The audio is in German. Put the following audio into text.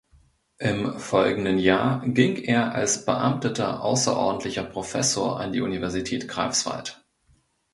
Im folgenden Jahr ging er als beamteter außerordentlicher Professor an die Universität Greifswald.